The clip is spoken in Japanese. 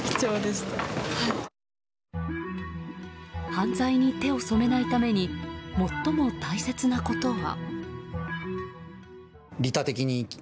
犯罪に手を染めないために最も大切なことは。